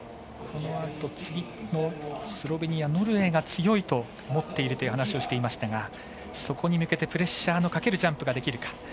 このあと、次のスロベニア、ノルウェーが強いと思っているという話をしていましたがそこに向けてプレッシャーのかけるジャンプができるか。